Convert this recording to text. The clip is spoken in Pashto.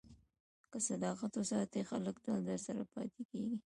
که صداقت وساتې، خلک تل درسره پاتې کېږي.